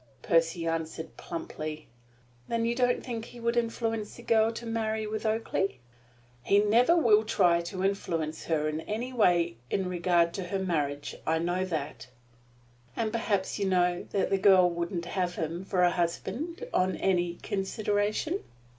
Percy answered plumply. "Then you don't think he would influence the girl to marry with Oakleigh?" "He never will try to influence her in any way in regard to her marriage. That I know." "And perhaps you know that the girl wouldn't have him for a husband on any consideration?"